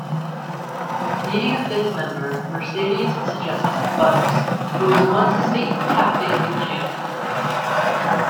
Needing a fifth member, Mercedes suggests Butters, who was once state tap-dancing champion.